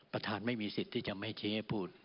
ประธานไม่มีสิทธิ์ที่จะไม่ชิงให้พูด